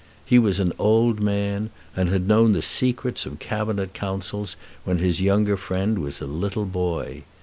He was an old man, and had known the secrets of Cabinet Councils when his younger friend was a little boy.